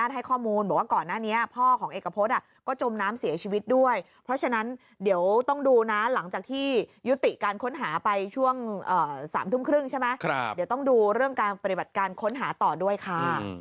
๓ทุ่มครึ่งใช่ไหมครับเดี๋ยวต้องดูเรื่องการปฏิบัติการค้นหาต่อด้วยค่ะ